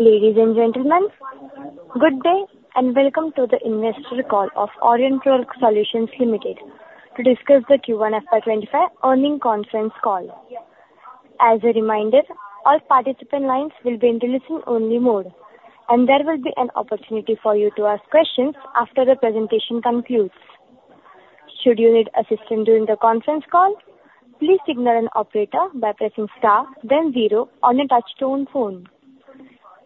Ladies and gentlemen, good day and welcome to the investor call of Aurionpro Solutions Limited to discuss the Q1 FY25 earnings conference call. As a reminder, all participant lines will be in the listen-only mode, and there will be an opportunity for you to ask questions after the presentation concludes. Should you need assistance during the conference call, please signal an operator by pressing star, then zero on a touch-tone phone.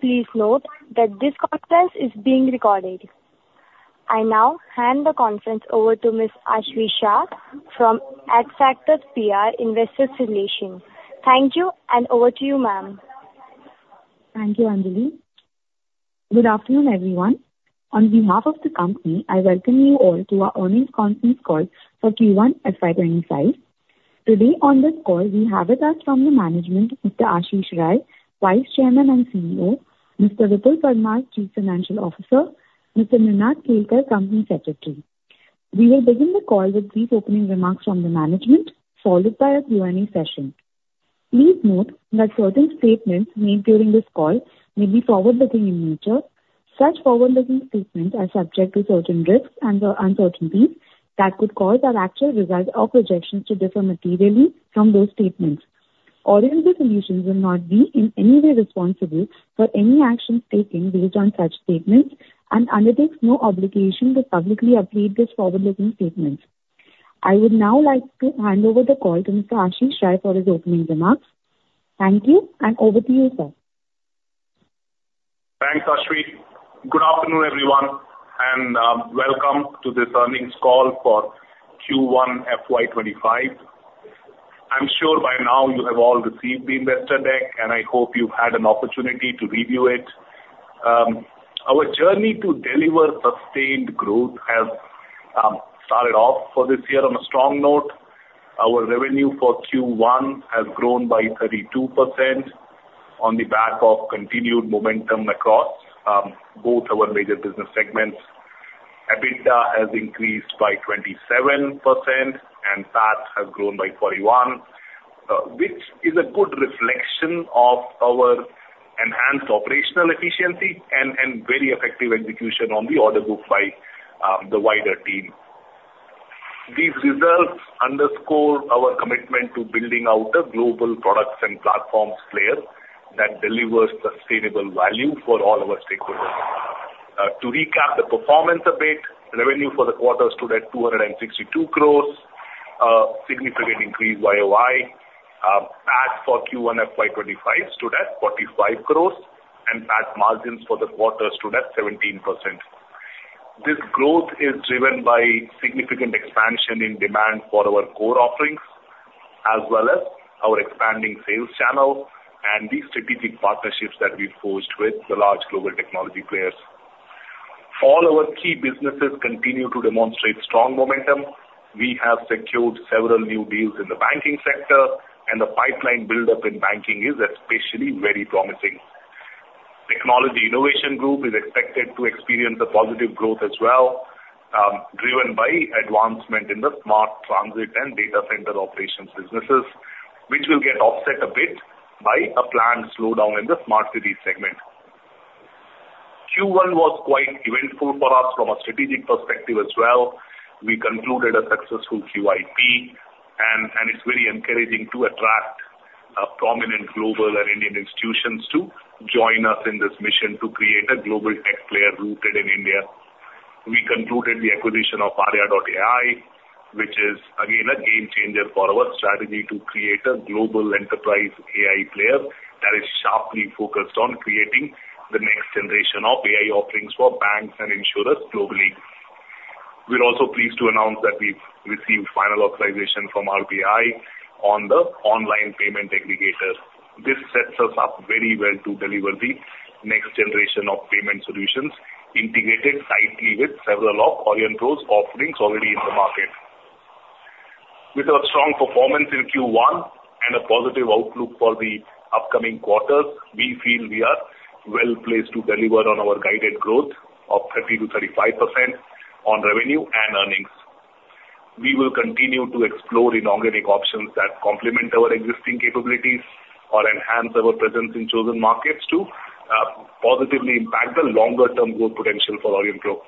Please note that this conference is being recorded. I now hand the conference over to Ms. Aashvi Shah from Adfactors PR Investor Relations. Thank you, and over to you, ma'am. Thank you, Anjali. Good afternoon, everyone. On behalf of the company, I welcome you all to our earnings conference call for Q1 FY25. Today on this call, we have with us from the management Mr. Ashish Rai, Vice Chairman and CEO, Mr. Vipul Parmar, Chief Financial Officer, Mr. Ninad Kelkar, Company Secretary. We will begin the call with brief opening remarks from the management, followed by a Q&A session. Please note that certain statements made during this call may be forward-looking in nature. Such forward-looking statements are subject to certain risks and uncertainties that could cause our actual result or projections to differ materially from those statements. Aurionpro Solutions will not be in any way responsible for any actions taken based on such statements and undertakes no obligation to publicly update these forward-looking statements. I would now like to hand over the call to Mr. Ashish Rai for his opening remarks. Thank you, and over to you, sir. Thanks, Aashvi. Good afternoon, everyone, and welcome to this earnings call for Q1 FY25. I'm sure by now you have all received the investor deck, and I hope you've had an opportunity to review it. Our journey to deliver sustained growth has started off for this year on a strong note. Our revenue for Q1 has grown by 32% on the back of continued momentum across both our major business segments. EBITDA has increased by 27%, and PAT has grown by 41%, which is a good reflection of our enhanced operational efficiency and very effective execution on the order book by the wider team. These results underscore our commitment to building out a global products and platforms layer that delivers sustainable value for all our stakeholders. To recap the performance a bit, revenue for the quarter stood at 262 crore, a significant increase by YoY. PAT for Q1 FY25 stood at 45 crore, and PAT margins for the quarter stood at 17%. This growth is driven by significant expansion in demand for our core offerings, as well as our expanding sales channel and the strategic partnerships that we've forged with the large global technology players. All our key businesses continue to demonstrate strong momentum. We have secured several new deals in the banking sector, and the pipeline buildup in banking is especially very promising. Technology Innovation Group is expected to experience a positive growth as well, driven by advancement in the smart transit and data center operations businesses, which will get offset a bit by a planned slowdown in the smart cities segment. Q1 was quite eventful for us from a strategic perspective as well. We concluded a successful QIP, and it's very encouraging to attract prominent global and Indian institutions to join us in this mission to create a global tech player rooted in India. We concluded the acquisition of Arya.ai, which is, again, a game changer for our strategy to create a global enterprise AI player that is sharply focused on creating the next generation of AI offerings for banks and insurers globally. We're also pleased to announce that we've received final authorization from RBI on the online payment aggregator. This sets us up very well to deliver the next generation of payment solutions integrated tightly with several of Aurionpro's offerings already in the market. With our strong performance in Q1 and a positive outlook for the upcoming quarters, we feel we are well placed to deliver on our guided growth of 30%-35% on revenue and earnings. We will continue to explore inorganic options that complement our existing capabilities or enhance our presence in chosen markets to positively impact the longer-term growth potential for Aurionpro.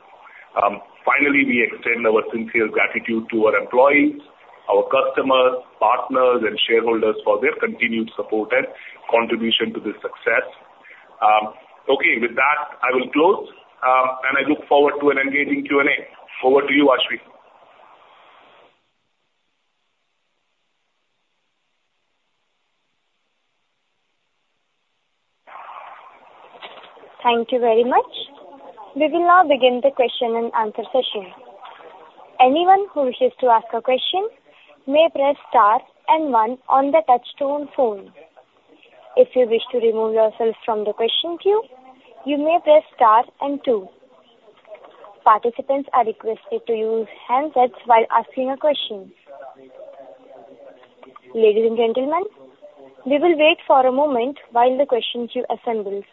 Finally, we extend our sincere gratitude to our employees, our customers, partners, and shareholders for their continued support and contribution to this success. Okay, with that, I will close, and I look forward to an engaging Q&A. Over to you, Ashvi. Thank you very much. We will now begin the question and answer session. Anyone who wishes to ask a question may press star and one on the touch-tone phone. If you wish to remove yourself from the question queue, you may press star and two. Participants are requested to use handsets while asking a question. Ladies and gentlemen, we will wait for a moment while the question queue assembles.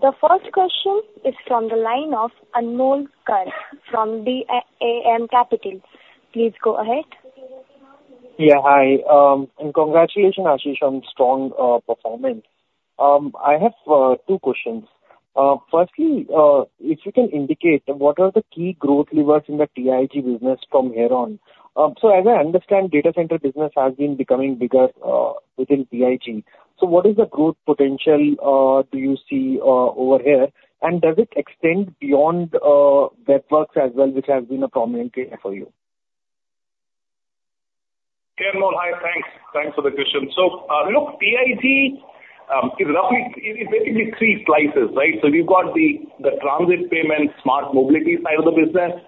The first question is from the line of Anmol Garg from DAM Capital. Please go ahead. Yeah, hi. Congratulations, Ashish, on strong performance. I have two questions. Firstly, if you can indicate what are the key growth levers in the TIG business from here on. So as I understand, data center business has been becoming bigger within TIG. So what is the growth potential do you see over here, and does it extend beyond Web Werks as well, which has been a prominent area for you? Anmol, hi. Thanks. Thanks for the question. So look, TIG is basically three slices, right? So we've got the transit payment, smart mobility side of the business.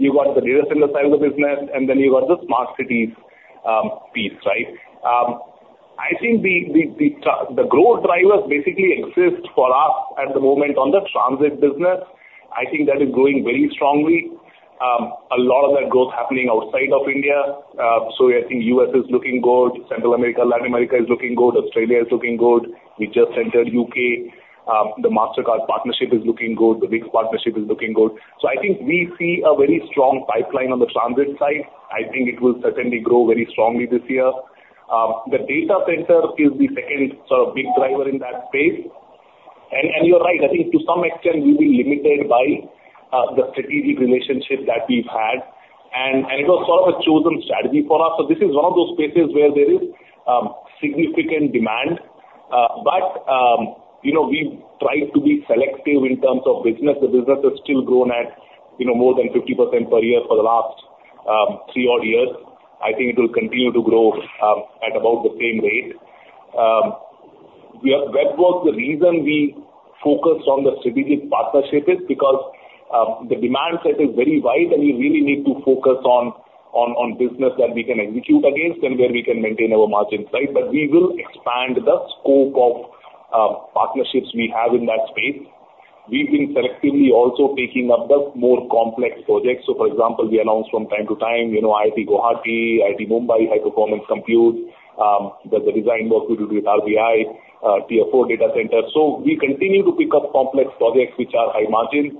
You've got the data center side of the business, and then you've got the smart cities piece, right? I think the growth drivers basically exist for us at the moment on the transit business. I think that is growing very strongly. A lot of that growth is happening outside of India. So I think the U.S. is looking good. Central America, Latin America is looking good. Australia is looking good. We just entered the U.K. The Mastercard partnership is looking good. The Vix partnership is looking good. So I think we see a very strong pipeline on the transit side. I think it will certainly grow very strongly this year. The data center is the second sort of big driver in that space. And you're right. I think to some extent, we've been limited by the strategic relationship that we've had, and it was sort of a chosen strategy for us. So this is one of those places where there is significant demand. But we've tried to be selective in terms of business. The business has still grown at more than 50% per year for the last three odd years. I think it will continue to grow at about the same rate. Web Werks, the reason we focused on the strategic partnership is because the demand set is very wide, and we really need to focus on business that we can execute against and where we can maintain our margins, right? But we will expand the scope of partnerships we have in that space. We've been selectively also picking up the more complex projects. So for example, we announced from time to time IIT Guwahati, IIT Mumbai, High Performance Compute, the design work we do with RBI, Tier 4 data centers. So we continue to pick up complex projects which are high margins,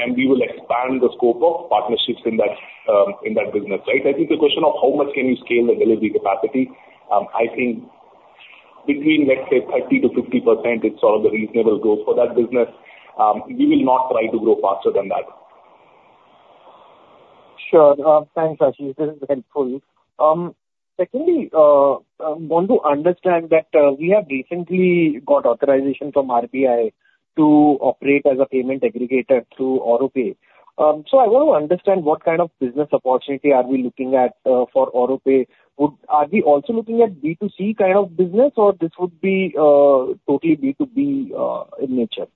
and we will expand the scope of partnerships in that business, right? I think the question of how much can you scale the delivery capacity, I think between, let's say, 30%-50% is sort of the reasonable growth for that business. We will not try to grow faster than that. Sure. Thanks, Ashish. This is helpful. Secondly, I want to understand that we have recently got authorization from RBI to operate as a payment aggregator through AuroPay. So I want to understand what kind of business opportunity are we looking at for AuroPay? Are we also looking at B2C kind of business, or this would be totally B2B in nature?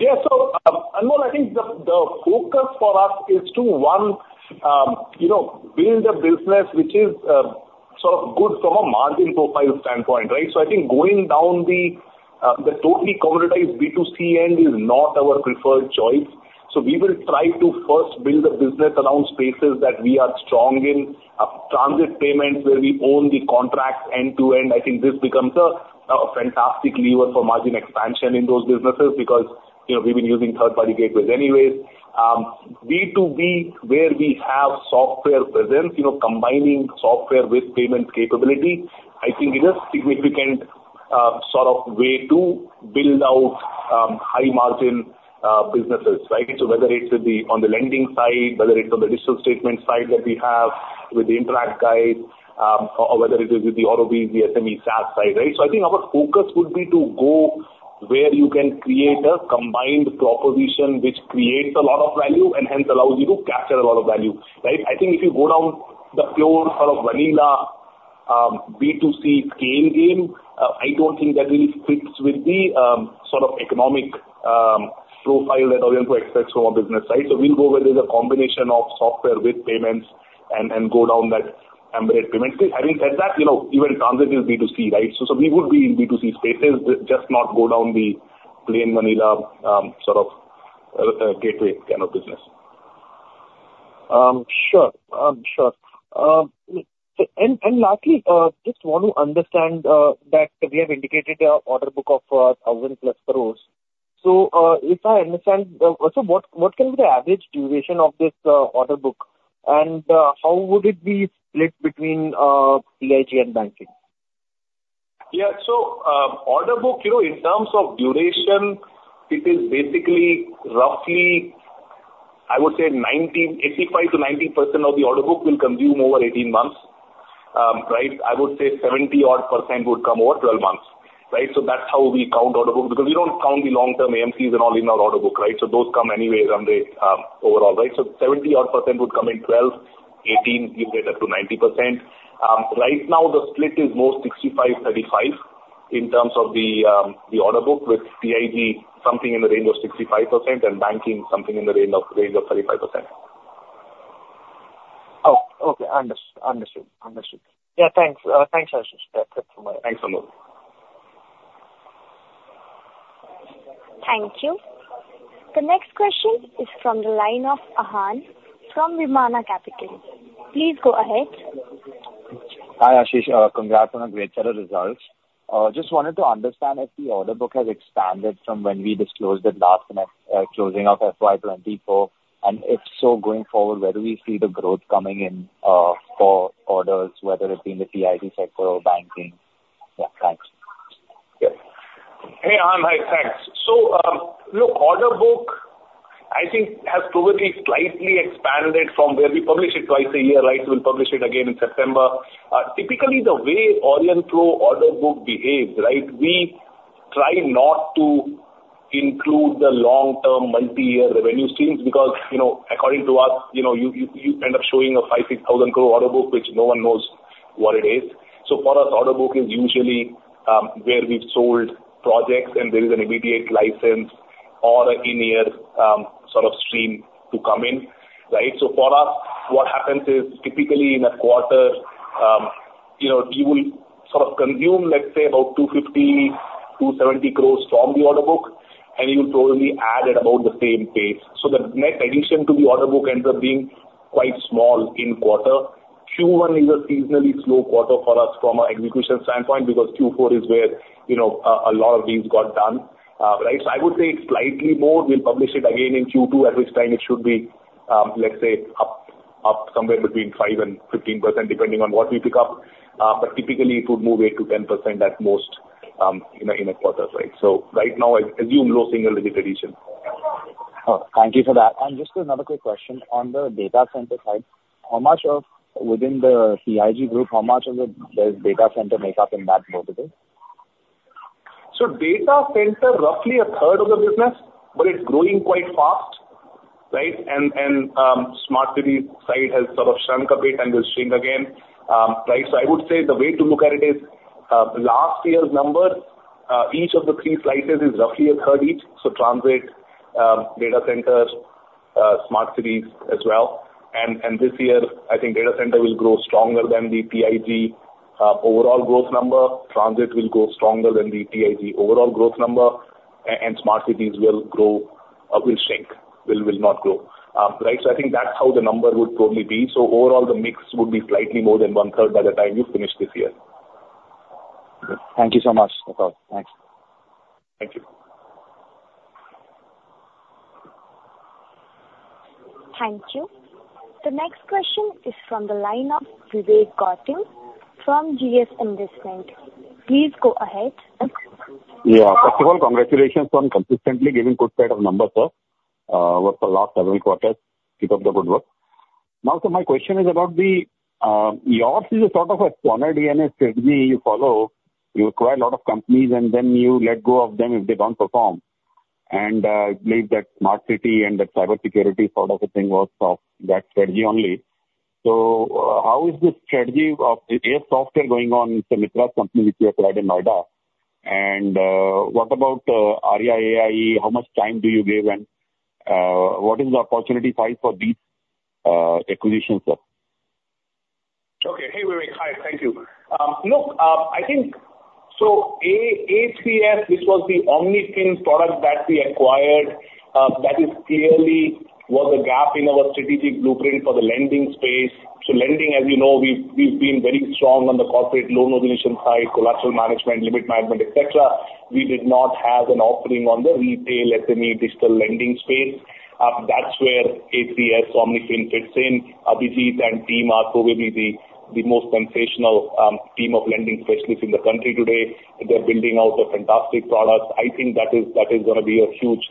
Yeah. So Anmol, I think the focus for us is to, one, build a business which is sort of good from a margin profile standpoint, right? So I think going down the totally commoditized B2C end is not our preferred choice. So we will try to first build a business around spaces that we are strong in, transit payments where we own the contracts end to end. I think this becomes a fantastic lever for margin expansion in those businesses because we've been using third-party gateways anyways. B2B, where we have software presence, combining software with payment capability, I think it is a significant sort of way to build out high-margin businesses, right? So whether it's on the lending side, whether it's on the digital statement side that we have with the Interact guys, or whether it is with the Aurobees, the SME SaaS side, right? So I think our focus would be to go where you can create a combined proposition which creates a lot of value and hence allows you to capture a lot of value, right? I think if you go down the pure sort of vanilla B2C scale game, I don't think that really fits with the sort of economic profile that Aurionpro expects from a business, right? So we'll go where there's a combination of software with payments and go down that emergent payment. Having said that, even transit is B2C, right? So we would be in B2C spaces, just not go down the plain vanilla sort of gateway kind of business. Sure. Sure. Lastly, just want to understand that we have indicated an order book of 1,000+ crores. So if I understand, so what can be the average duration of this order book, and how would it be split between TIG and banking? Yeah. So order book, in terms of duration, it is basically roughly, I would say, 85%-90% of the order book will consume over 18 months, right? I would say 70-odd % would come over 12 months, right? So that's how we count order book because we don't count the long-term AMCs and all in our order book, right? So those come anyway, run rate overall, right? So 70-odd % would come in 12, 18, give rate up to 90%. Right now, the split is more 65-35 in terms of the order book with TIG, something in the range of 65%, and banking, something in the range of 35%. Oh, okay. Understood. Understood. Yeah, thanks. Thanks, Ashish. That's it from my side. Thanks, Anmol. Thank you. The next question is from the line of Ahaan from Vimana Capital. Please go ahead. Hi, Ashish. Congrats on the great set of results. Just wanted to understand if the order book has expanded from when we disclosed it last closing of FY24, and if so, going forward, where do we see the growth coming in for orders, whether it be in the TIG sector or banking? Yeah. Thanks. Yeah. Hey, Ahaan, hi. Thanks. So look, order book, I think, has probably slightly expanded from where we publish it twice a year, right? We'll publish it again in September. Typically, the way Aurionpro order book behaves, right, we try not to include the long-term multi-year revenue streams because according to us, you end up showing an 5,000 crore-6,000 crore order book, which no one knows what it is. So for us, order book is usually where we've sold projects, and there is an immediate license or an in-year sort of stream to come in, right? So for us, what happens is typically in a quarter, you will sort of consume, let's say, about 250 crore-270 crore from the order book, and you'll probably add at about the same pace. So the net addition to the order book ends up being quite small in quarter. Q1 is a seasonally slow quarter for us from an execution standpoint because Q4 is where a lot of deals got done, right? So I would say slightly more. We'll publish it again in Q2, at which time it should be, let's say, up somewhere between 5%-15%, depending on what we pick up. But typically, it would move 8%-10% at most in a quarter, right? So right now, I assume low single-digit addition. Thank you for that. Just another quick question. On the data center side, within the TIG group, how much of the data center makeup in that vertical? So data center, roughly a third of the business, but it's growing quite fast, right? And smart cities side has sort of shrunk a bit and will shrink again, right? So I would say the way to look at it is last year's number, each of the three slices is roughly a third each. So transit, data center, smart cities as well. And this year, I think data center will grow stronger than the TIG overall growth number. Transit will grow stronger than the TIG overall growth number, and smart cities will shrink, will not grow, right? So I think that's how the number would probably be. So overall, the mix would be slightly more than one-third by the time you finish this year. Thank you so much. Thanks. Thank you. Thank you. The next question is from the line of Vivek Gautam from GS Investment. Please go ahead. Yeah. First of all, congratulations on consistently giving good set of numbers over the last several quarters. Keep up the good work. Now, my question is about your. Is it sort of a core DNA strategy you follow? You acquire a lot of companies, and then you let go of them if they don't perform. And I believe that smart city and that cybersecurity sort of a thing was that strategy only. So how is the strategy of AS Software going on? It's a Mitra company which you acquired in Noida. And what about Arya.ai? How much time do you give, and what is the opportunity size for these acquisitions? Okay. Hey, Vivek. Hi. Thank you. Look, I think AS Software, this was the OmniFin product that we acquired. That clearly was a gap in our strategic blueprint for the lending space. So lending, as you know, we've been very strong on the corporate loan origination side, collateral management, limit management, etc. We did not have an offering on the retail SME digital lending space. That's where AS Software OmniFin fits in. Abhijit and team are probably the most sensational team of lending specialists in the country today. They're building out a fantastic product. I think that is going to be a huge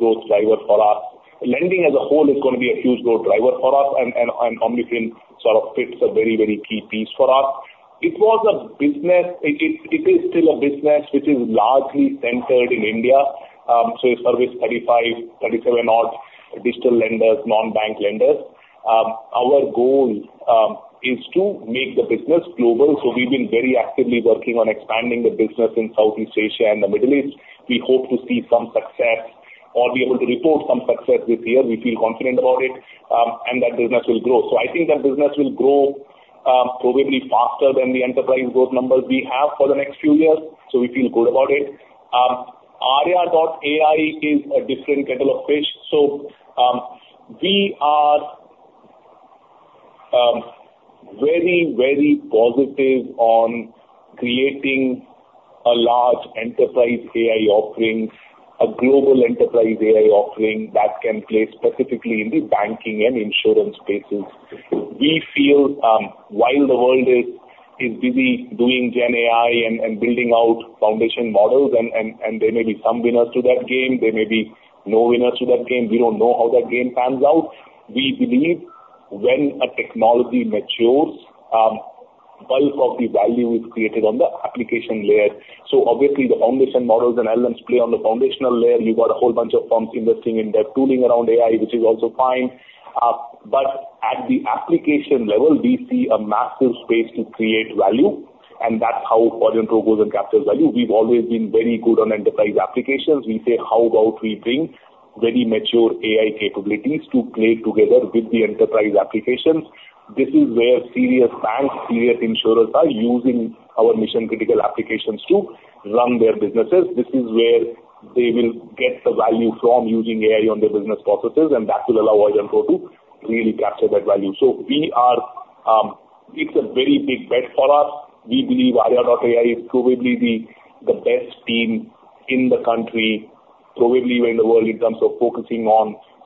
growth driver for us. Lending as a whole is going to be a huge growth driver for us, and OmniFin sort of fits a very, very key piece for us. It was a business. It is still a business which is largely centered in India. It serves 35, 37-odd digital lenders, non-bank lenders. Our goal is to make the business global. We've been very actively working on expanding the business in Southeast Asia and the Middle East. We hope to see some success or be able to report some success this year. We feel confident about it, and that business will grow. I think that business will grow probably faster than the enterprise growth numbers we have for the next few years. We feel good about it. Arya.ai is a different kettle of fish. We are very, very positive on creating a large enterprise AI offering, a global enterprise AI offering that can play specifically in the banking and insurance spaces. We feel while the world is busy doing Gen AI and building out foundation models, and there may be some winners to that game. There may be no winners to that game. We don't know how that game pans out. We believe when a technology matures, bulk of the value is created on the application layer. So obviously, the foundation models and elements play on the foundational layer. You've got a whole bunch of firms investing in their tooling around AI, which is also fine. But at the application level, we see a massive space to create value, and that's how Aurionpro goes and captures value. We've always been very good on enterprise applications. We say, "How about we bring very mature AI capabilities to play together with the enterprise applications?" This is where serious banks, serious insurers are using our mission-critical applications to run their businesses. This is where they will get the value from using AI on their business processes, and that will allow Aurionpro to really capture that value. So it's a very big bet for us. We believe Arya.ai is probably the best team in the country, probably in the world in terms of focusing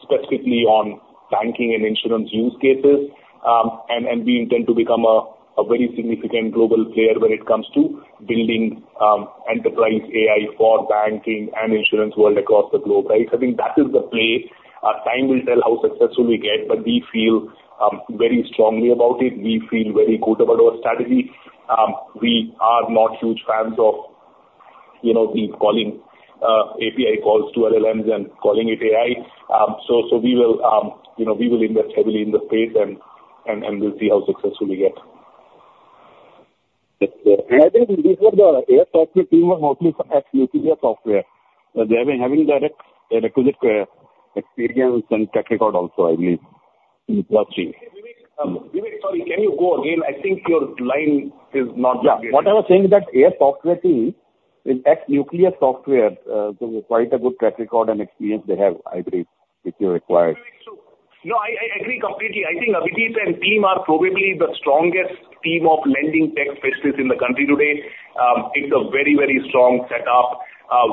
specifically on banking and insurance use cases. And we intend to become a very significant global player when it comes to building enterprise AI for banking and insurance world across the globe, right? I think that is the play. Time will tell how successful we get, but we feel very strongly about it. We feel very good about our strategy. We are not huge fans of the calling API calls to LLMs and calling it AI. So we will invest heavily in the space, and we'll see how successful we get. I think these were the AS Software team was mostly from Ex-Nucleus Software. They have a direct requisite experience and track record also, I believe. That's true. Vivek, sorry, can you go again? I think your line is not good. Yeah. What I was saying is that AS Software team with Ex-Nucleus Software, quite a good track record and experience they have, I believe, which you required. No, I agree completely. I think Abhijit and team are probably the strongest team of lending tech specialists in the country today. It's a very, very strong setup.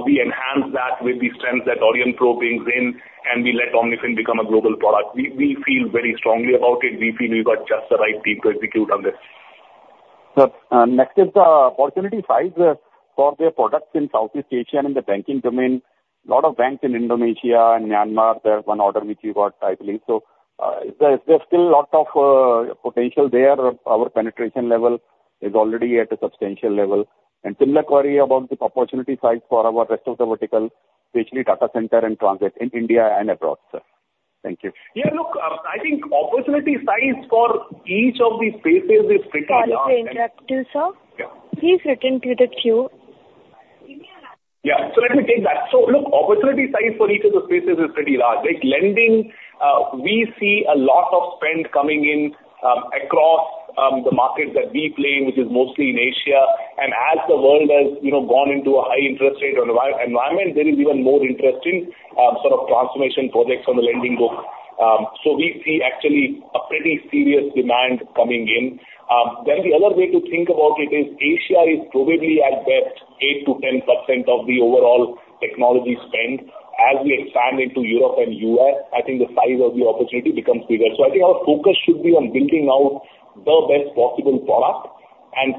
We enhance that with the strength that Aurionpro brings in, and we let Omnifin become a global product. We feel very strongly about it. We feel we've got just the right team to execute on this. Next is the opportunity size for their products in Southeast Asia and in the banking domain. A lot of banks in Indonesia and Myanmar, there's one order which you got, I believe. So is there still a lot of potential there? Our penetration level is already at a substantial level. Similar query about the opportunity size for our rest of the vertical, especially data center and transit in India and abroad. Thank you. Yeah. Look, I think opportunity size for each of these spaces is pretty large. I'll join direct too, sir. He's written to the queue. Yeah. So let me take that. So look, opportunity size for each of the spaces is pretty large. Lending, we see a lot of spend coming in across the markets that we play, which is mostly in Asia. And as the world has gone into a high interest rate environment, there is even more interest in sort of transformation projects on the lending book. So we see actually a pretty serious demand coming in. Then the other way to think about it is Asia is probably at best 8%-10% of the overall technology spend. As we expand into Europe and U.S., I think the size of the opportunity becomes bigger. So I think our focus should be on building out the best possible product and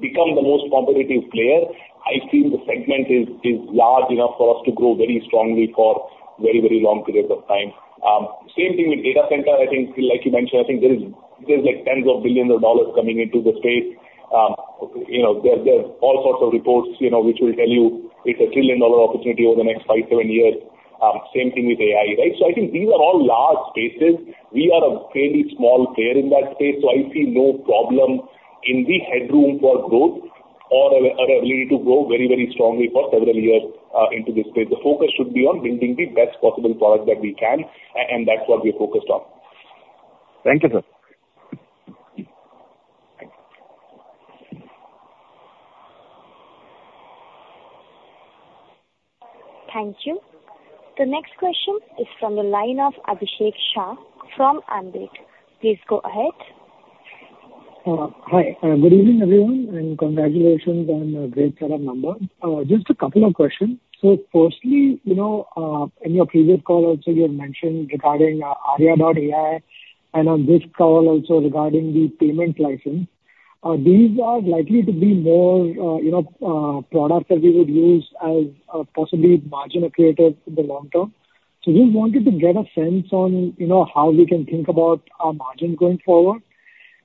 become the most competitive player. I think the segment is large enough for us to grow very strongly for very, very long periods of time. Same thing with data center. I think, like you mentioned, I think there's tens of billions of dollars coming into the space. There's all sorts of reports which will tell you it's a $1 trillion opportunity over the next 5-7 years. Same thing with AI, right? So I think these are all large spaces. We are a fairly small player in that space. So I see no problem in the headroom for growth or our ability to grow very, very strongly for several years into this space. The focus should be on building the best possible product that we can, and that's what we're focused on. Thank you, sir. Thank you. The next question is from the line of Abhishek Shah from Ambit. Please go ahead. Hi. Good evening, everyone, and congratulations on a great set of numbers. Just a couple of questions. So firstly, in your previous call, also, you had mentioned regarding Arya.ai and on this call also regarding the payment license. These are likely to be more products that we would use as possibly margin accretive in the long term. So we wanted to get a sense on how we can think about our margin going forward.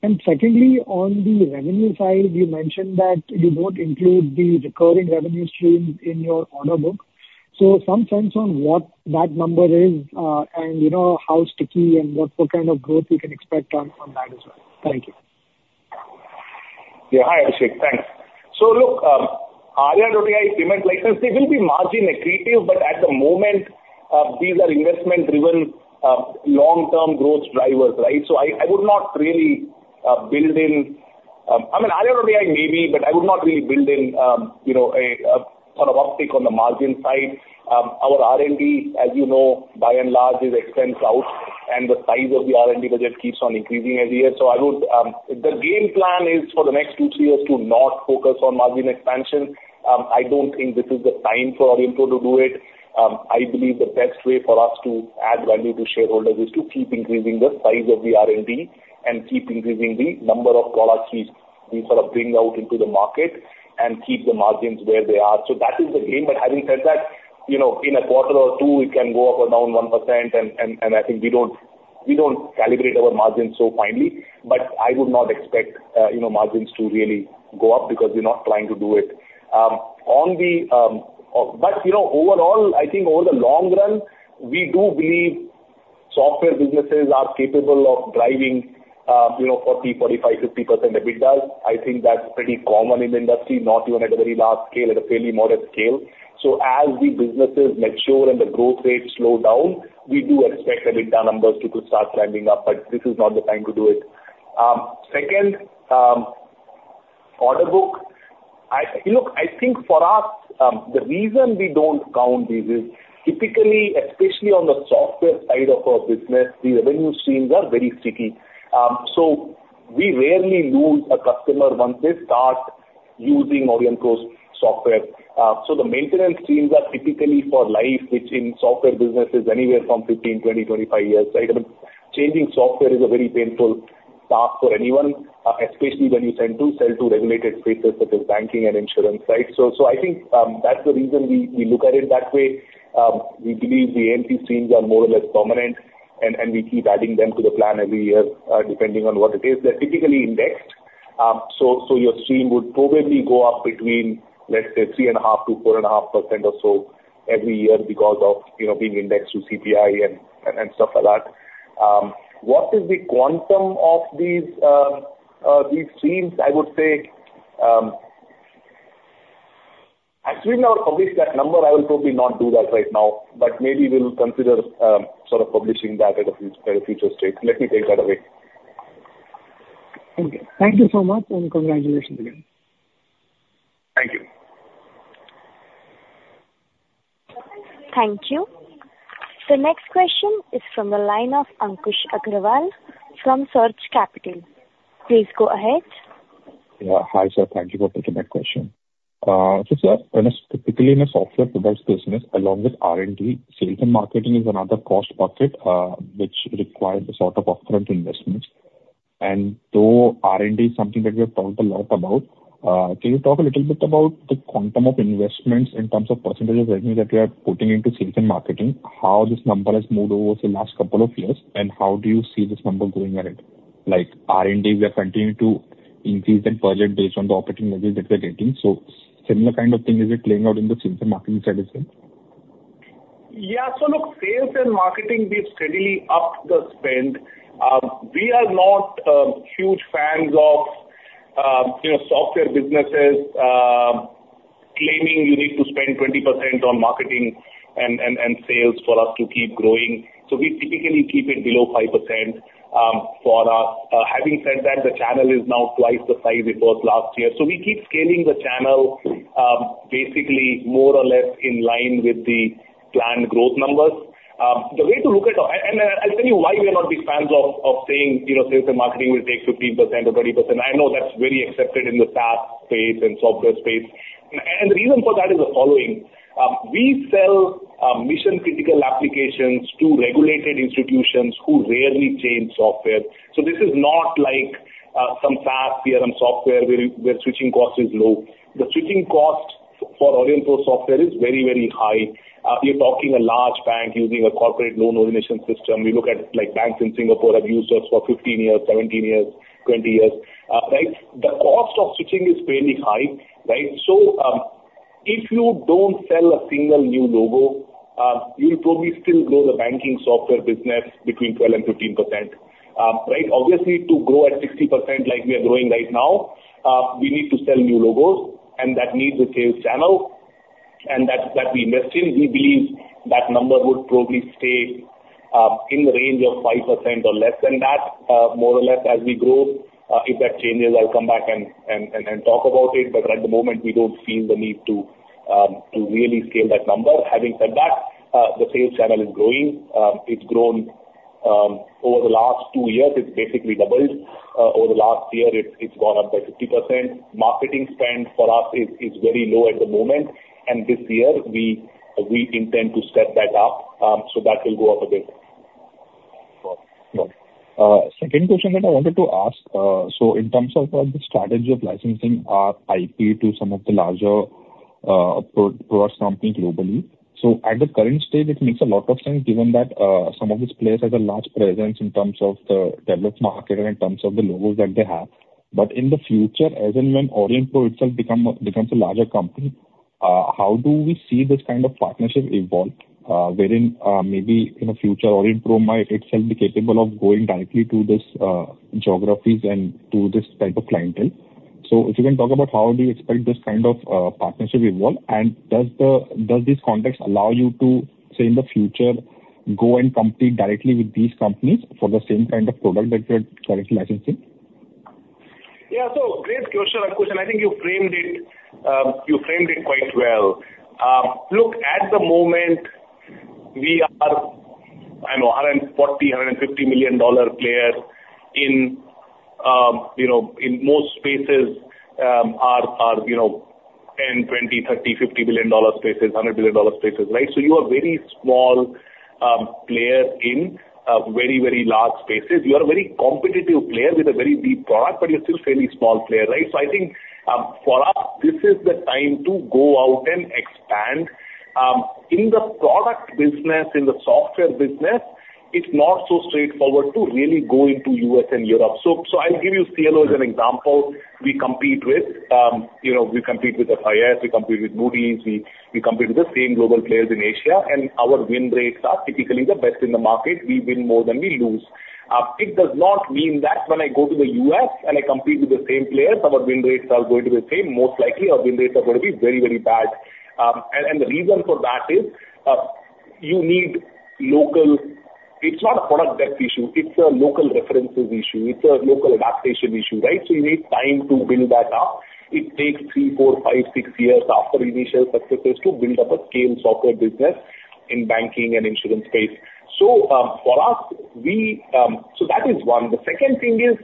And secondly, on the revenue side, you mentioned that you don't include the recurring revenue stream in your order book. So some sense on what that number is and how sticky and what kind of growth we can expect on that as well. Thank you. Yeah. Hi, Abhishek. Thanks. So look, Arya.ai payment license, they will be margin accretive, but at the moment, these are investment-driven long-term growth drivers, right? So I would not really build in I mean, Arya.ai maybe, but I would not really build in a sort of uptick on the margin side. Our R&D, as you know, by and large, is expensed out, and the size of the R&D budget keeps on increasing every year. So the game plan is for the next two, three years to not focus on margin expansion. I don't think this is the time for Aurionpro to do it. I believe the best way for us to add value to shareholders is to keep increasing the size of the R&D and keep increasing the number of products we sort of bring out into the market and keep the margins where they are. So that is the game. But having said that, in a quarter or two, it can go up or down 1%, and I think we don't calibrate our margins so finely. But I would not expect margins to really go up because we're not trying to do it. But overall, I think over the long run, we do believe software businesses are capable of driving 40, 45, 50% EBITDA. I think that's pretty common in the industry, not even at a very large scale, at a fairly modest scale. So as the businesses mature and the growth rates slow down, we do expect EBITDA numbers to start climbing up, but this is not the time to do it. Second, order book. Look, I think for us, the reason we don't count these is typically, especially on the software side of our business, the revenue streams are very sticky. So we rarely lose a customer once they start using Aurionpro's software. So the maintenance streams are typically for life, which in software business is anywhere from 15, 20, 25 years, right? I mean, changing software is a very painful task for anyone, especially when you tend to sell to regulated spaces such as banking and insurance, right? So I think that's the reason we look at it that way. We believe the AMC streams are more or less permanent, and we keep adding them to the plan every year depending on what it is. They're typically indexed. So your stream would probably go up between, let's say, 3.5%-4.5% or so every year because of being indexed to CPI and stuff like that. What is the quantum of these streams? I would say, as soon as I publish that number, I will probably not do that right now, but maybe we'll consider sort of publishing that at a future stage. Let me take that away. Thank you so much, and congratulations again. Thank you. Thank you. The next question is from the line of Ankush Agrawal from Surge Capital. Please go ahead. Yeah. Hi, sir. Thank you for taking that question. So sir, typically in a software products business, along with R&D, sales and marketing is another cost pocket which requires a sort of upfront investment. Though R&D is something that we have talked a lot about, can you talk a little bit about the quantum of investments in terms of percentage of revenue that we are putting into sales and marketing, how this number has moved over the last couple of years, and how do you see this number going at it? Like R&D, we are continuing to increase that budget based on the operating numbers that we are getting. So similar kind of thing, is it playing out in the sales and marketing side as well? Yeah. So look, sales and marketing, we've steadily upped the spend. We are not huge fans of software businesses claiming you need to spend 20% on marketing and sales for us to keep growing. So we typically keep it below 5% for us. Having said that, the channel is now twice the size it was last year. So we keep scaling the channel basically more or less in line with the planned growth numbers. The way to look at it, and I'll tell you why we are not big fans of saying sales and marketing will take 15% or 20%. I know that's very accepted in the SaaS space and software space. And the reason for that is the following. We sell mission-critical applications to regulated institutions who rarely change software. So this is not like some SaaS, CRM software where switching cost is low. The switching cost for Aurionpro software is very, very high. You're talking a large bank using a corporate loan origination system. You look at banks in Singapore have used us for 15 years, 17 years, 20 years. The cost of switching is fairly high, right? So if you don't sell a single new logo, you'll probably still grow the banking software business between 12%-15%, right? Obviously, to grow at 60% like we are growing right now, we need to sell new logos, and that needs a sales channel, and that's that we invest in. We believe that number would probably stay in the range of 5% or less than that, more or less, as we grow. If that changes, I'll come back and talk about it, but at the moment, we don't feel the need to really scale that number. Having said that, the sales channel is growing. It's grown over the last two years. It's basically doubled. Over the last year, it's gone up by 50%. Marketing spend for us is very low at the moment, and this year, we intend to step that up so that will go up a bit. Second question that I wanted to ask, so in terms of the strategy of licensing our IP to some of the larger product companies globally. So at the current stage, it makes a lot of sense given that some of these players have a large presence in terms of the developed market and in terms of the logos that they have. But in the future, as and when Aurionpro itself becomes a larger company, how do we see this kind of partnership evolve wherein maybe in the future, Aurionpro might itself be capable of going directly to these geographies and to this type of clientele? So if you can talk about how do you expect this kind of partnership to evolve, and does this context allow you to, say, in the future, go and compete directly with these companies for the same kind of product that you are currently licensing? Yeah. So great question, Ankush. And I think you framed it quite well. Look, at the moment, we are $140-$150 million players in most spaces, our $10 billion, $20 billion, $30 billion, $50 billion spaces, $100 billion spaces, right? So you are a very small player in very, very large spaces. You are a very competitive player with a very deep product, but you're still a fairly small player, right? So I think for us, this is the time to go out and expand. In the product business, in the software business, it's not so straightforward to really go into US and Europe. So I'll give you CLO as an example. We compete with FIS, we compete with Moody's, we compete with the same global players in Asia, and our win rates are typically the best in the market. We win more than we lose. It does not mean that when I go to the U.S. and I compete with the same players, our win rates are going to be the same. Most likely, our win rates are going to be very, very bad. The reason for that is you need local, it's not a product depth issue. It's a local references issue. It's a local adaptation issue, right? You need time to build that up. It takes 3, 4, 5, 6 years after initial successes to build up a scale software business in banking and insurance space. For us, that is one. The second thing is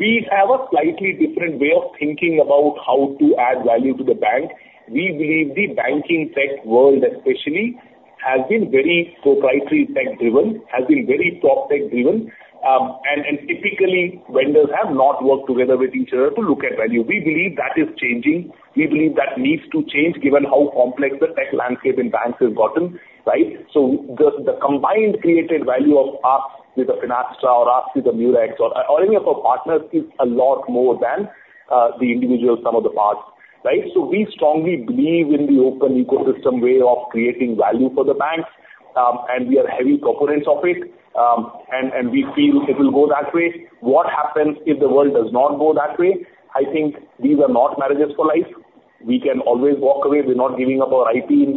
we have a slightly different way of thinking about how to add value to the bank. We believe the banking tech world, especially, has been very proprietary tech-driven, has been very prop tech-driven, and typically, vendors have not worked together with each other to look at value. We believe that is changing. We believe that needs to change given how complex the tech landscape in banks has gotten, right? So the combined created value of us with the Finastra or us with the Murex or any of our partners is a lot more than the individual sum of the parts, right? So we strongly believe in the open ecosystem way of creating value for the banks, and we are heavy proponents of it, and we feel it will go that way. What happens if the world does not go that way? I think these are not marriages for life. We can always walk away. We're not giving up our IP in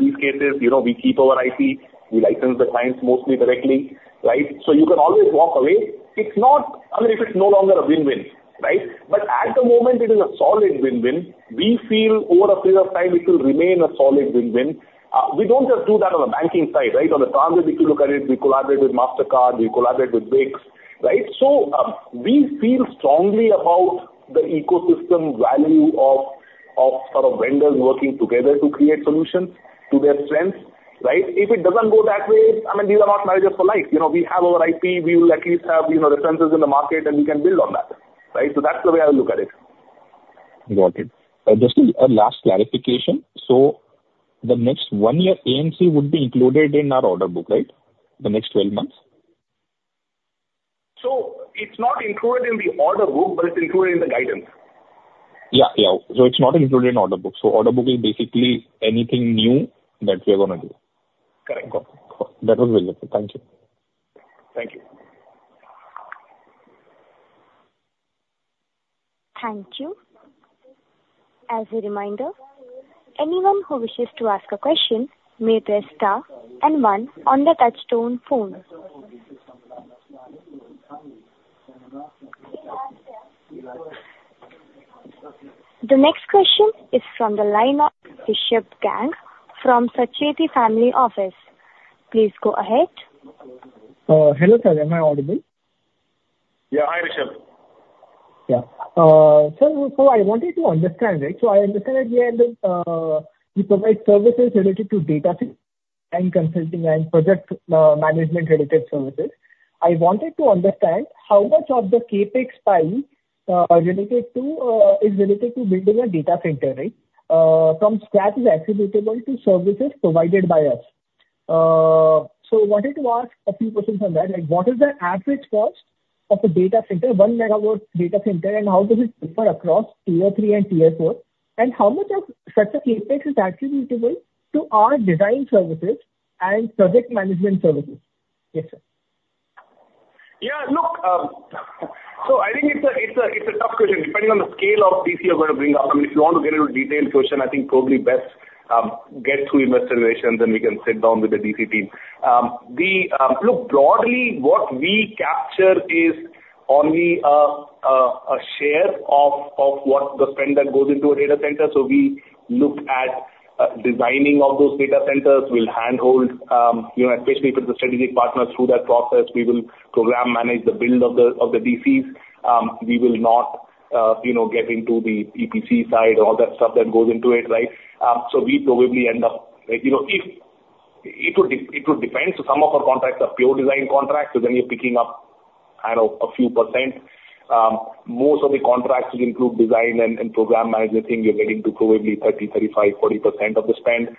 these cases. We keep our IP. We license the clients mostly directly, right? So you can always walk away. I mean, if it's no longer a win-win, right? But at the moment, it is a solid win-win. We feel over a period of time, it will remain a solid win-win. We don't just do that on the banking side, right? On the transit, if you look at it, we collaborate with Mastercard, we collaborate with Vix, right? So we feel strongly about the ecosystem value of sort of vendors working together to create solutions to their strengths, right? If it doesn't go that way, I mean, these are not marriages for life. We have our IP. We will at least have references in the market, and we can build on that, right? So that's the way I look at it. Got it. Just a last clarification. So the next 1-year AMC would be included in our order book, right? The next 12 months? It's not included in the order book, but it's included in the guidance. Yeah. Yeah. So it's not included in the order book. Order book is basically anything new that we are going to do. Correct. Got it. That was very helpful. Thank you. Thank you. Thank you. As a reminder, anyone who wishes to ask a question may press star and one on the touch-tone phone. The next question is from the line of Rishabh Garg from Sacheti Family Office. Please go ahead. Hello, sir. Am I audible? Yeah. Hi, Rishabh. Yeah. Sir, so I wanted to understand, right? So I understand that you provide services related to data and consulting and project management-related services. I wanted to understand how much of the CapEx spike is related to building a data center, right, from scratch is attributable to services provided by us. So I wanted to ask a few questions on that. What is the average cost of a data center, one megawatt data center, and how does it differ across Tier 3 and Tier 4, and how much of such a CapEx is attributable to our design services and project management services? Yes, sir. Yeah. Look, so I think it's a tough question. Depending on the scale of DC you're going to bring up, I mean, if you want to get into a detailed question, I think probably best get through investor relations, and we can sit down with the DC team. Look, broadly, what we capture is only a share of what the spend that goes into a data center. So we look at designing all those data centers. We'll handhold, especially for the strategic partners, through that process. We will program, manage the build of the DCs. We will not get into the EPC side or all that stuff that goes into it, right? So we probably end up, it would depend. So some of our contracts are pure design contracts, so then you're picking up a few percent. Most of the contracts would include design and program management thing. You're getting to probably 30%, 35%, 40% of the spend,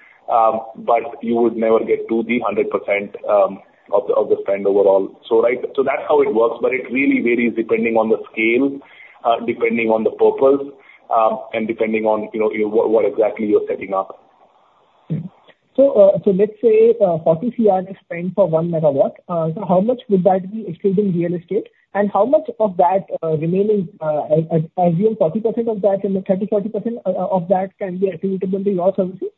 but you would never get to the 100% of the spend overall, right? So that's how it works, but it really varies depending on the scale, depending on the purpose, and depending on what exactly you're setting up. So let's say 40 crore spend for one megawatt. So how much would that be excluding real estate, and how much of that remaining—I assume 40% of that and 30%-40% of that can be attributable to your services?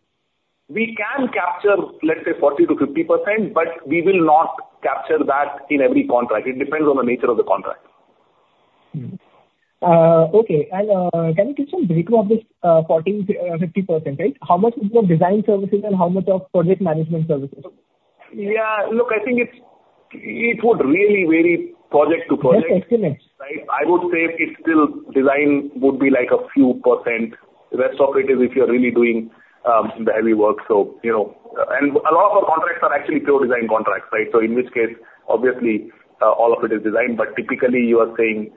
We can capture, let's say, 40%-50%, but we will not capture that in every contract. It depends on the nature of the contract. Okay. And can you give some breakthrough of this 40%-50%, right? How much of the design services and how much of project management services? Yeah. Look, I think it would really vary project to project, right? Yes, estimates. I would say it's still design would be like a few %. The rest of it is if you're really doing the heavy work, so. A lot of our contracts are actually pure design contracts, right? So in which case, obviously, all of it is designed, but typically, you are saying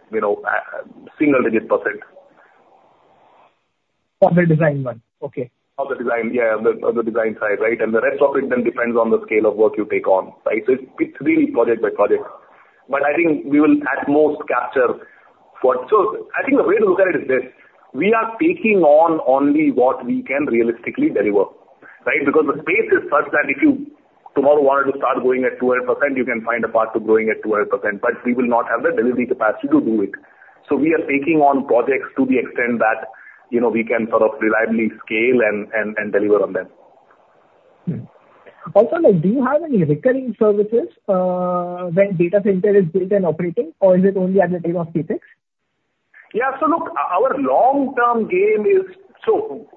single-digit %. Of the design one. Okay. Of the design, yeah, of the design side, right? The rest of it then depends on the scale of work you take on, right? It's really project by project. I think we will at most capture what—so I think the way to look at it is this: we are taking on only what we can realistically deliver, right? Because the space is such that if you tomorrow wanted to start going at 200%, you can find a path to growing at 200%, but we will not have the delivery capacity to do it. We are taking on projects to the extent that we can sort of reliably scale and deliver on them. Also, do you have any recurring services when data center is built and operating, or is it only at the table of Capex? Yeah. So look, our long-term game is—so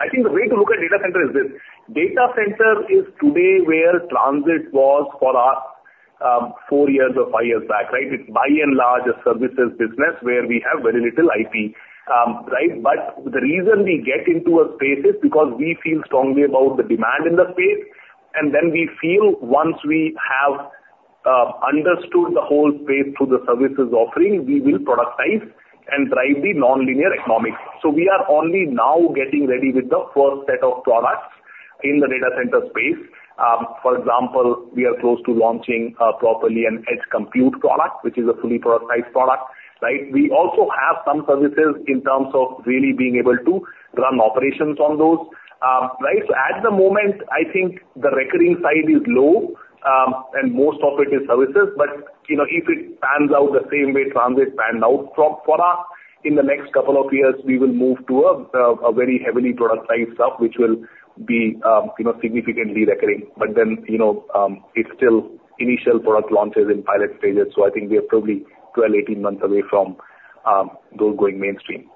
I think the way to look at data center is this: data center is today where transit was for us 4 years or 5 years back, right? It's by and large a services business where we have very little IP, right? But the reason we get into a space is because we feel strongly about the demand in the space, and then we feel once we have understood the whole space through the services offering, we will productize and drive the non-linear economics. So we are only now getting ready with the first set of products in the data center space. For example, we are close to launching properly an Edge Compute product, which is a fully productized product, right? We also have some services in terms of really being able to run operations on those, right? So at the moment, I think the recurring side is low, and most of it is services, but if it pans out the same way transit pans out for us, in the next couple of years, we will move to a very heavily productized stuff, which will be significantly recurring, but then it's still initial product launches in pilot stages. So I think we are probably 12, 18 months away from those going mainstream.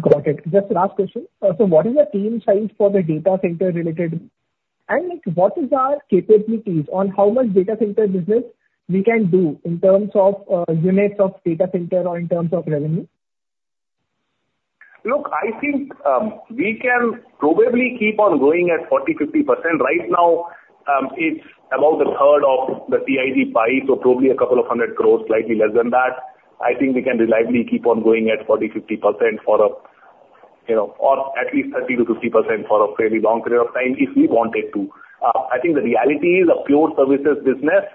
Got it. Just last question. So what is the team size for the data center-related? And what is our capabilities on how much data center business we can do in terms of units of data center or in terms of revenue? Look, I think we can probably keep on going at 40%-50%. Right now, it's about a third of the TIG pie, so probably 200 crore, slightly less than that. I think we can reliably keep on going at 40%-50% for a—or at least 30%-50% for a fairly long period of time if we wanted to. I think the reality is a pure services business.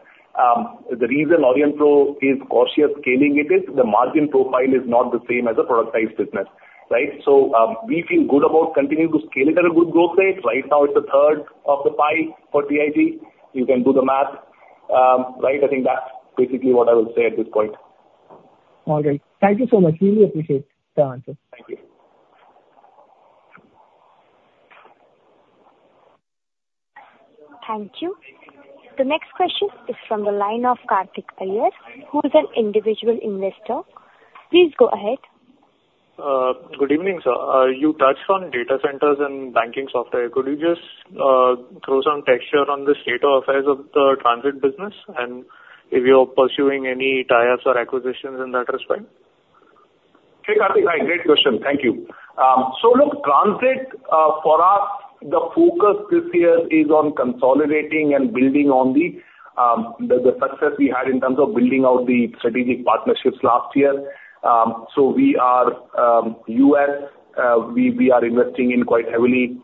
The reason Aurionpro is cautious scaling it is the margin profile is not the same as a productized business, right? So we feel good about continuing to scale it at a good growth rate. Right now, it's a third of the pie for TIG. You can do the math, right? I think that's basically what I will say at this point. All right. Thank you so much. Really appreciate the answer. Thank you. Thank you. The next question is from the line of Karthik Iyer, who is an individual investor. Please go ahead. Good evening, sir. You touched on data centers and banking software. Could you just throw some texture on the state of affairs of the transit business and if you're pursuing any tie-ups or acquisitions in that respect? Okay, Karthik. Hi, great question. Thank you. So look, transit for us, the focus this year is on consolidating and building on the success we had in terms of building out the strategic partnerships last year. So we're in the US; we are investing quite heavily.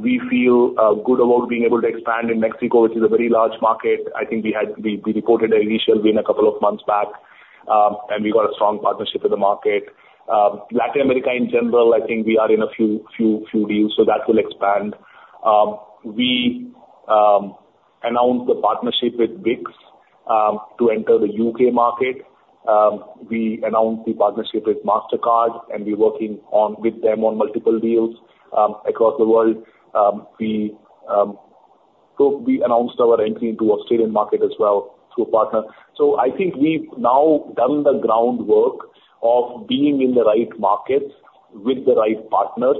We feel good about being able to expand in Mexico, which is a very large market. I think we reported initially a couple of months back, and we got a strong partnership with the market. Latin America, in general, I think we are in a few deals, so that will expand. We announced the partnership with Vix to enter the U.K. market. We announced the partnership with Mastercard, and we're working with them on multiple deals across the world. We announced our entry into the Australian market as well through a partner. So I think we've now done the groundwork of being in the right markets with the right partners.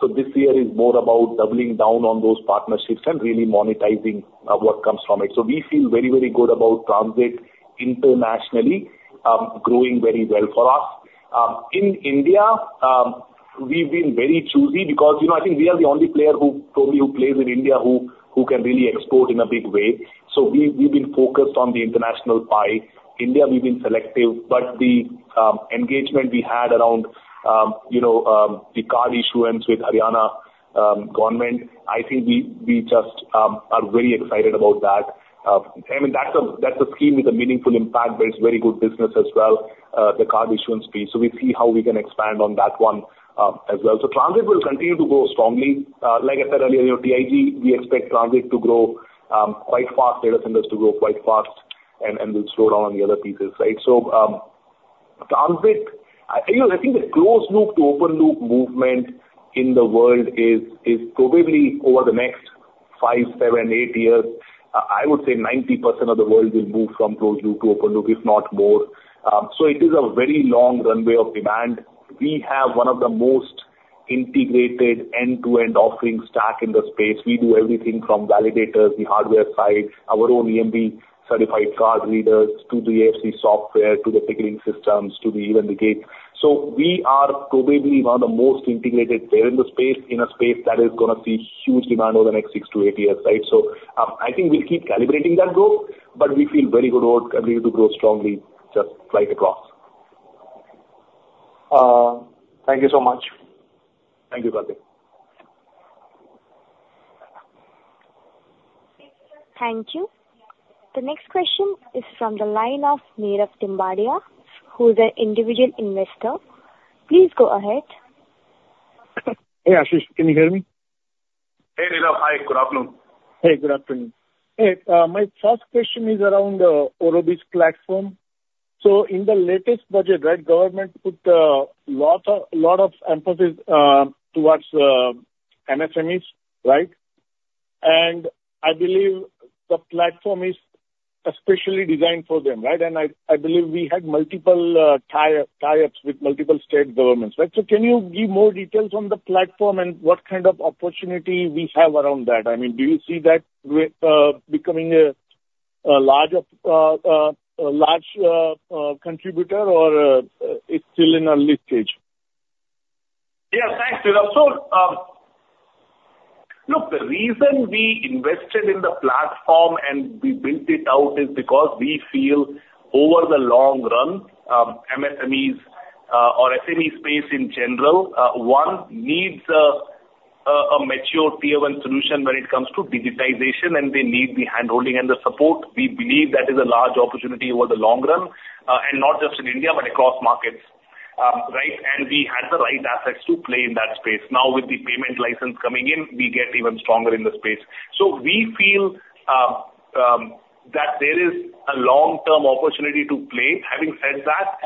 So this year is more about doubling down on those partnerships and really monetizing what comes from it. So we feel very, very good about transit internationally growing very well for us. In India, we've been very choosy because I think we are the only player who plays in India who can really export in a big way. So we've been focused on the international pie. In India, we've been selective, but the engagement we had around the card issuance with Haryana government, I think we just are very excited about that. I mean, that's a scheme with a meaningful impact, but it's very good business as well, the card issuance piece. So we see how we can expand on that one as well. So transit will continue to grow strongly. Like I said earlier, TIG, we expect transit to grow quite fast, data centers to grow quite fast, and we'll slow down on the other pieces, right? So transit, I think the closed-loop to open-loop movement in the world is probably over the next 5, 7, 8 years, I would say 90% of the world will move from closed-loop to open-loop, if not more. So it is a very long runway of demand. We have one of the most integrated end-to-end offerings stack in the space. We do everything from validators, the hardware side, our own EMV-certified card readers, to the AFC software, to the ticketing systems, to even the gate. So we are probably one of the most integrated there in the space, in a space that is going to see huge demand over the next 6-8 years, right? I think we'll keep calibrating that growth, but we feel very good about continuing to grow strongly just right across. Thank you so much. Thank you, Karthik. Thank you. The next question is from the line of Nirav Timbadia, who is an individual investor. Please go ahead. Hey, Ashish. Can you hear me? Hey, Nirav. Hi, good afternoon. Hey, good afternoon. Hey, my first question is around Aurionpro's platform. So in the latest budget, right, government put a lot of emphasis towards MSMEs, right? And I believe the platform is especially designed for them, right? And I believe we had multiple tie-ups with multiple state governments, right? So can you give more details on the platform and what kind of opportunity we have around that? I mean, do you see that becoming a large contributor, or it's still in an early stage? Yeah, thanks, Nirav. So look, the reason we invested in the platform and we built it out is because we feel over the long run, MSMEs or SME space in general, one, needs a mature tier-one solution when it comes to digitization, and they need the handholding and the support. We believe that is a large opportunity over the long run, and not just in India, but across markets, right? And we had the right assets to play in that space. Now, with the payment license coming in, we get even stronger in the space. So we feel that there is a long-term opportunity to play. Having said that,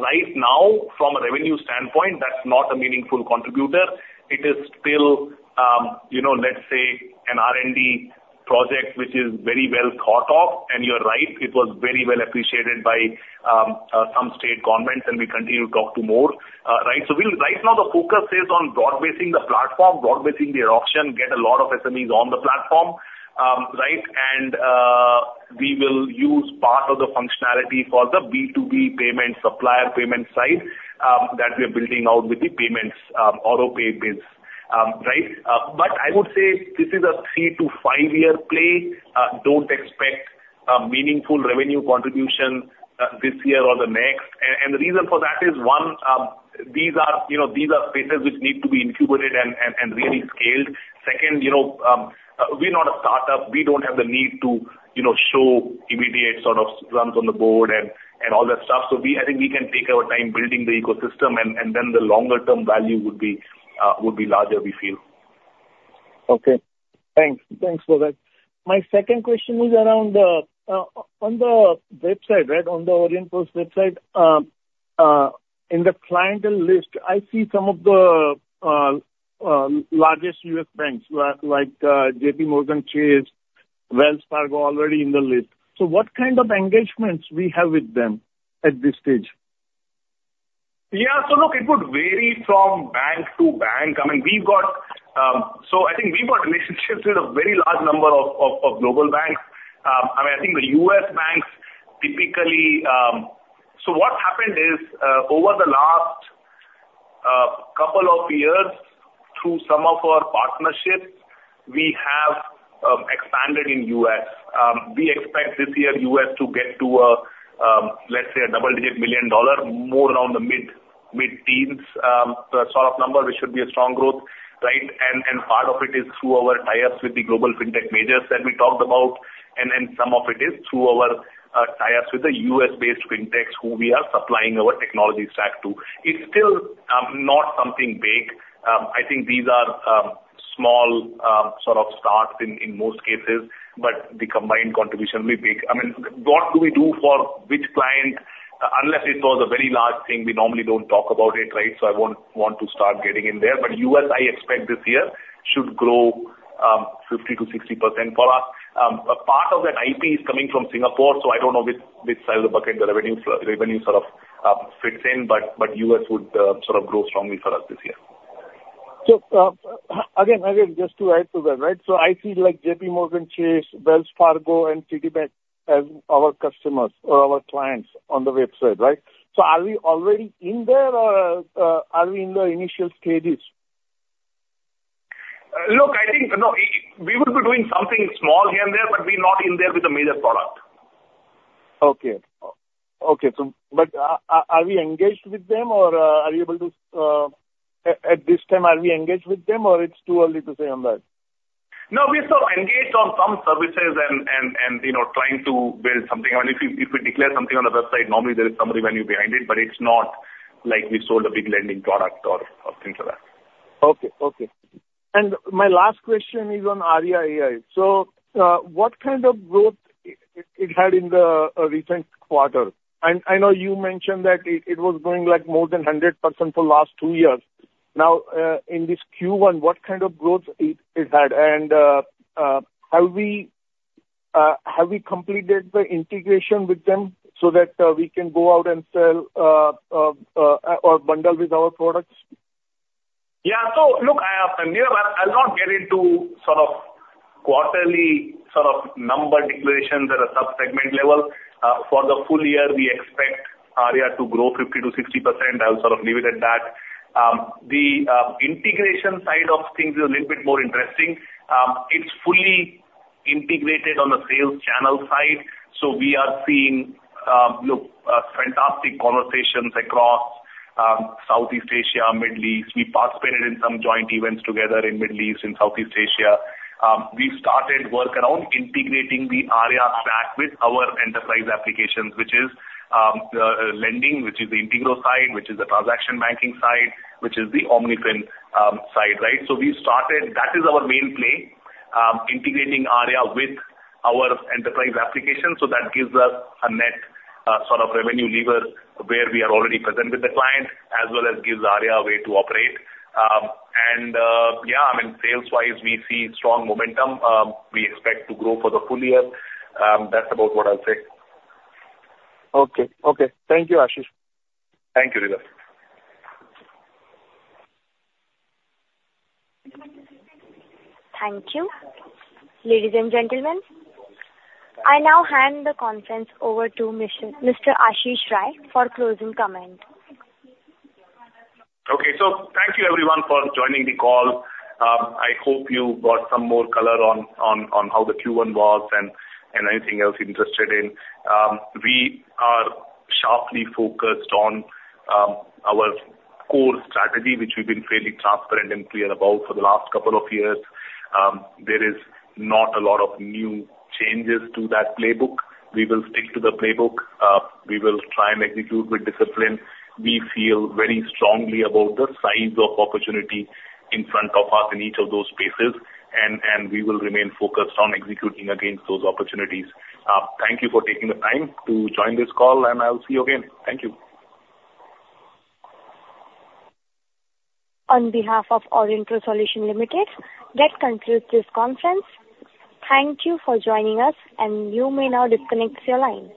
right now, from a revenue standpoint, that's not a meaningful contributor. It is still, let's say, an R&D project, which is very well thought of, and you're right, it was very well appreciated by some state governments, and we continue to talk to more, right? So right now, the focus is on broadbasing the platform, broadbasing the adoption, get a lot of SMEs on the platform, right? And we will use part of the functionality for the B2B payment supplier payment side that we are building out with the payments Auropay base, right? But I would say this is a 3-5-year play. Don't expect meaningful revenue contribution this year or the next. And the reason for that is, one, these are spaces which need to be incubated and really scaled. Second, we're not a startup. We don't have the need to show immediate sort of runs on the board and all that stuff. I think we can take our time building the ecosystem, and then the longer-term value would be larger, we feel. Okay. Thanks. Thanks for that. My second question is around on the website, right, on the Aurionpro's website, in the client list, I see some of the largest US banks like JPMorgan Chase, Wells Fargo already in the list. So what kind of engagements we have with them at this stage? Yeah. So look, it would vary from bank to bank. I mean, we've got, so I think we've got relationships with a very large number of global banks. I mean, I think the U.S. banks typically, so what happened is over the last couple of years, through some of our partnerships, we have expanded in U.S. We expect this year U.S. to get to, let's say, a double-digit $ million, more around the mid-teens sort of number, which should be a strong growth, right? And part of it is through our tie-ups with the global fintech majors that we talked about, and some of it is through our tie-ups with the U.S.-based fintechs who we are supplying our technology stack to. It's still not something big. I think these are small sort of starts in most cases, but the combined contribution will be big. I mean, what do we do for which client? Unless it was a very large thing, we normally don't talk about it, right? So I won't want to start getting in there. But U.S., I expect this year should grow 50%-60% for us. Part of that IP is coming from Singapore, so I don't know which side of the bucket the revenue sort of fits in, but U.S. would sort of grow strongly for us this year. So again, just to add to that, right? So I see JPMorgan Chase, Wells Fargo, and Citibank as our customers or our clients on the website, right? So are we already in there, or are we in the initial stages? Look, I think no. We will be doing something small here and there, but we're not in there with the major product. Okay. Okay. But are we engaged with them, or are you able to at this time, are we engaged with them, or it's too early to say on that? No, we're still engaged on some services and trying to build something. I mean, if we declare something on the website, normally there is some revenue behind it, but it's not like we sold a big lending product or things like that. Okay. Okay. My last question is on Arya.ai. So what kind of growth it had in the recent quarter? I know you mentioned that it was growing like more than 100% for the last two years. Now, in this Q1, what kind of growth it had? Have we completed the integration with them so that we can go out and sell or bundle with our products? Yeah. So look, Nirav, I'll not get into sort of quarterly sort of number declarations at a subsegment level. For the full year, we expect Arya to grow 50%-60%. I'll sort of leave it at that. The integration side of things is a little bit more interesting. It's fully integrated on the sales channel side. So we are seeing fantastic conversations across Southeast Asia, Middle East. We participated in some joint events together in Middle East, in Southeast Asia. We started work around integrating the Arya stack with our enterprise applications, which is lending, which is the Integro side, which is the transaction banking side, which is the OmniFin side, right? So we started that is our main play, integrating Arya with our enterprise applications. So that gives us a net sort of revenue lever where we are already present with the client, as well as gives Arya a way to operate. And yeah, I mean, sales-wise, we see strong momentum. We expect to grow for the full year. That's about what I'll say. Okay. Okay. Thank you, Ashish. Thank you, Nirav. Thank you. Ladies and gentlemen, I now hand the conference over to Mr. Ashish Rai for closing comment. Okay. So thank you, everyone, for joining the call. I hope you got some more color on how the Q1 was and anything else you're interested in. We are sharply focused on our core strategy, which we've been fairly transparent and clear about for the last couple of years. There is not a lot of new changes to that playbook. We will stick to the playbook. We will try and execute with discipline. We feel very strongly about the size of opportunity in front of us in each of those spaces, and we will remain focused on executing against those opportunities. Thank you for taking the time to join this call, and I'll see you again. Thank you. On behalf of Aurionpro Solutions Limited, that concludes this conference. Thank you for joining us, and you may now disconnect your line.